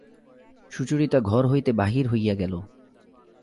সুচরিতা ঘর হইতে বাহির হইয়া গেল।